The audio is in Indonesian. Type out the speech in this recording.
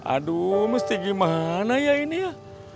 aduh mesti gimana ya ini ya